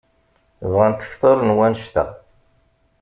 Bɣant kter n wannect-a.